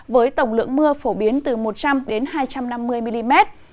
với tổng lượng mưa phổ biến từ một trăm linh hai trăm năm mươi mm